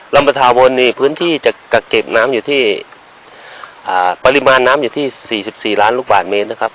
ประทาวนนี่พื้นที่จะกักเก็บน้ำอยู่ที่ปริมาณน้ำอยู่ที่๔๔ล้านลูกบาทเมตรนะครับ